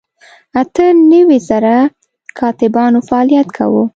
اته نوي زره کاتبانو فعالیت کاوه.